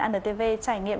antv trải nghiệm